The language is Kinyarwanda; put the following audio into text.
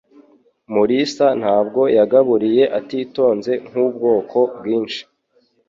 Mulisa ntabwo yagaburiye atitonze nkubwoko bwinshi.